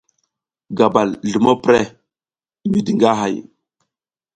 Gabal zlumo prəh, midi nga hay.